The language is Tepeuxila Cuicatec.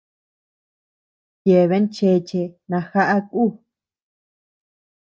Yeabean cheche najaʼa kú.